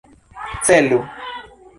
Celu!